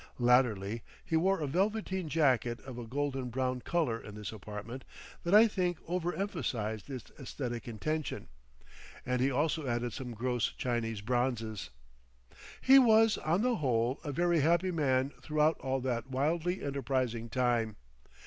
Latterly he wore a velveteen jacket of a golden brown colour in this apartment that I think over emphasised its esthetic intention, and he also added some gross Chinese bronzes. He was, on the whole, a very happy man throughout all that wildly enterprising time.